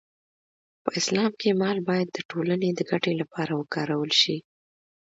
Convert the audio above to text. په اسلام کې مال باید د ټولنې د ګټې لپاره وکارول شي.